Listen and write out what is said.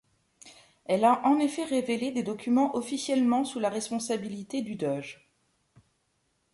Elle a en effet révélé des documents officiellement sous la responsabilité du DoJ.